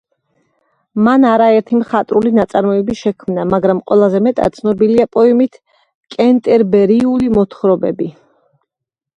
მან არაერთი მხატვრული ნაწარმოები შექმნა, მაგრამ ყველაზე მეტად ცნობილია პოემით „კენტერბერიული მოთხრობები“.